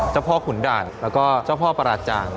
เจ้าพ่อขุนด่านแล้วก็เจ้าพ่อปราจาง